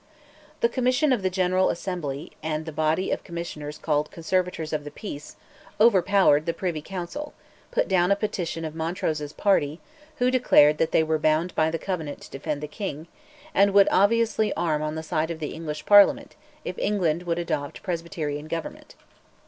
The Commission of the General Assembly, and the body of administrators called Conservators of the Peace, overpowered the Privy Council, put down a petition of Montrose's party (who declared that they were bound by the Covenant to defend the king), and would obviously arm on the side of the English Parliament if England would adopt Presbyterian government.